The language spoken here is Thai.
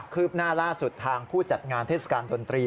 ืบหน้าล่าสุดทางผู้จัดงานเทศกาลดนตรี